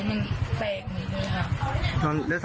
มันแตกหมดเลยค่ะ